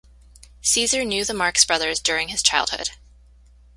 Caesar knew the Marx Brothers during his childhood.